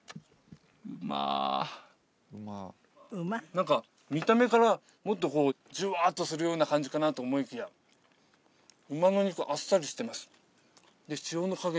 何か見た目からもっとこうジュワーッとするような感じかなと思いきや馬の肉あっさりしてますで塩の加減